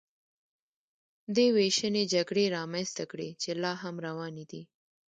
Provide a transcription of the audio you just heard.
دې وېشنې جګړې رامنځته کړې چې لا هم روانې دي